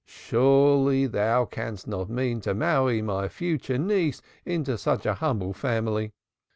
Surely thou canst not mean to marry my future niece into such a humble family.'